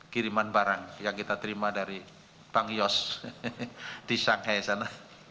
kiriman barang yang kita terima dari bang yos di shanghai sana